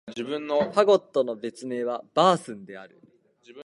ファゴットの別名は、バスーンである。